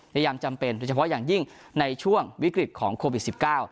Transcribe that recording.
ยามจำเป็นโดยเฉพาะอย่างยิ่งในช่วงวิกฤตของโควิด๑๙